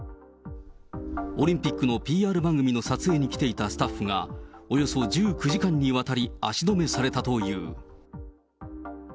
オリンピックのＰＲ番組の撮影に来ていたスタッフが、およそ１９時間にわたり、足止めされたという。